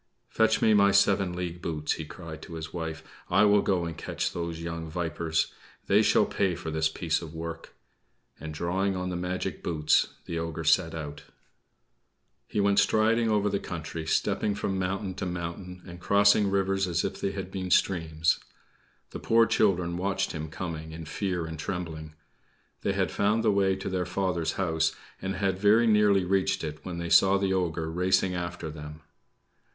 "Fetch me my seven league boots," he cried to his wife. "I will go and catch those young vipers. They shall pay for this piece of work!" And, drawing on the magic boots, the ogre set out. He went striding over the country, stepping from mountain to mountain, and crossing rivers as if they had been streams. The poor children watched him coming in fear and trembling. They had found the way to their father's home, and had very nearly reached it when they saw the ogre racing after them.